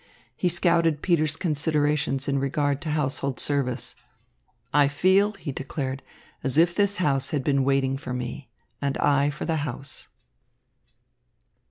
He scouted Peter's considerations in regard to household service. "I feel," he declared, "as if this house had been waiting for me, and I for the house."